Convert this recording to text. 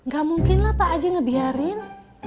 gak mungkin lah pak aja ngebiarin